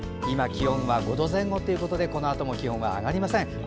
今、気温は５度前後ということでこのあとも気温は上がりません。